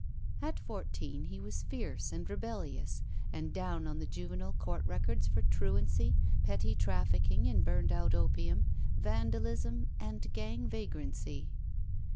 At fourteen he was fierce and rebellious and down on the Juvenile Court records for truancy, petty trafficking in burned out opium, vandalism, and gang vagrancy.